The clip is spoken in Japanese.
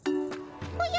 おや？